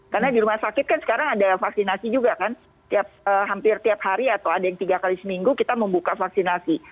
karena di rumah sakit kan sekarang ada vaksinasi juga kan hampir tiap hari atau ada yang tiga kali seminggu kita membuka vaksinasi